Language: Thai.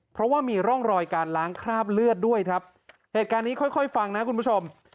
เพราะว่ามีร่องรอยการล้างคราบเลือดด้วยครับเหตุการณ์นี้ค่อยค่อยฟังนะคุณผู้ชม